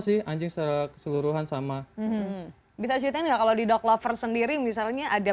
sih anjing secara keseluruhan sama bisa ceritain nggak kalau di dock lover sendiri misalnya ada